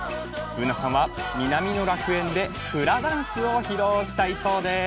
Ｂｏｏｎａちゃんは南の楽園でフラダンスを披露したいそうです。